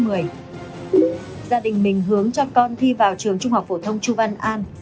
gia đình mình hướng cho con thi vào trường trung học phổ thông chu văn an